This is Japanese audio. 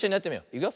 いくよ。